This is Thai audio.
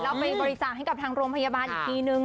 แล้วไปบริจาคให้กับทางโรงพยาบาลอีกทีนึง